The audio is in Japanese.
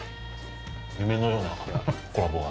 夢のようなコラボが。